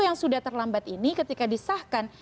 yang sudah terlambat ini ketika disahkan